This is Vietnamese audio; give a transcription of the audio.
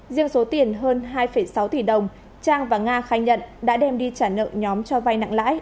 riêng số tiền hơn hai sáu tỷ đồng trang và nga khai nhận đã đem đi trả nợ nhóm cho vay nặng lãi